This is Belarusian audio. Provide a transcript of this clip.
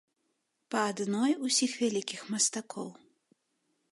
Па адной усіх вялікіх мастакоў.